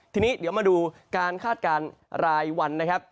ทีนี้เดี๋ยวมาดูการคาดการณ์รายวันนะครับ